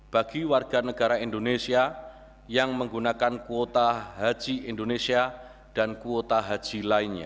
bagi warga negara indonesia yang menggunakan kuota haji indonesia dan kuota haji lainnya